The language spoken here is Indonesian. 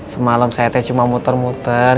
semalam saya teh cuma muter muter